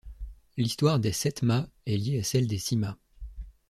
L'histoire des sept-mâts est liée à celle des six-mâts.